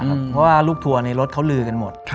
เพราะว่าลูกทัวร์ในรถเขาลือกันหมด